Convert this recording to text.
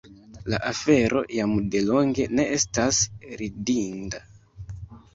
la afero jam delonge ne estas ridinda.